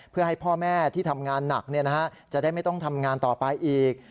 เพื่อให้พ่อแม่ที่ทำงานหนักจะได้ไม่ต้องทำงานต่อไปอีก